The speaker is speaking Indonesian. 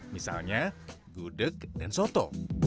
misalnya gudeg dan soto